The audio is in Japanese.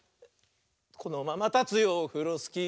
「このままたつよオフロスキー」